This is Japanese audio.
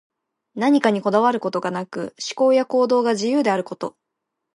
何かにこだわることがなく、思考や行動が自由であること。